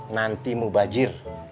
nanti mau bajir